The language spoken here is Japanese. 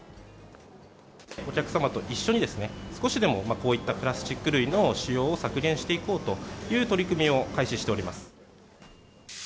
お客様と一緒に、少しでもこういったプラスチック類の使用を削減していこうという取り組みを開始しております。